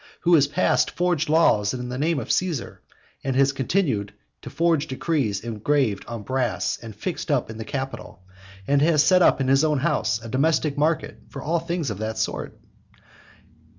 who has passed forged laws in the name of Caesar, and has continued to have forged decrees engraved on brass and fixed up in the Capitol, and has set up in his own house a domestic market for all things of that sort?